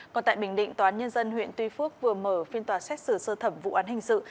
còn tại bình định tòa án nhân dân huyện tuy phước vừa mở phiên tòa xét xử sơ thẩm vụ án hình sự